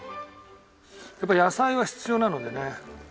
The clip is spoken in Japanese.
やっぱり野菜は必要なのでね。